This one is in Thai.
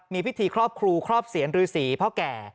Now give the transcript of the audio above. มีพิธีครอบครูครอบเสียนรือสีพ่อแก่